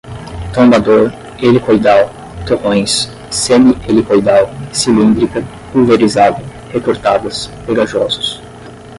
tombador, helicoidal, torrões, semi-helicoidal, cilíndrica, pulverizado, recortadas, pegajosos